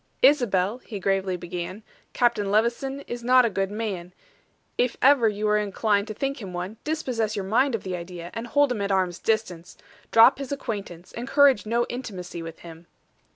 "Isabel," he gravely began, "Captain Levison is not a good man; if ever you were inclined to think him one, dispossess your mind of the idea, and hold him at arm's distance. Drop his acquaintance encourage no intimacy with him."